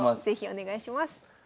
是非お願いします。